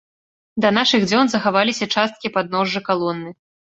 Да нашых дзён захаваліся часткі падножжа калоны.